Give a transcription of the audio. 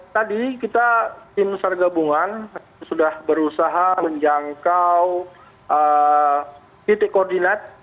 tadi kita tim sargabungan sudah berusaha menjangkau titik koordinat